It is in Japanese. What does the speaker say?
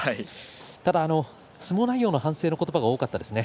ただ相撲内容も反省のことばが多かったですね。